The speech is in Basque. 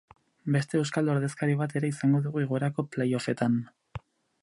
Beste euskal ordezkari bat ere izango dugu igoerako playoffetan.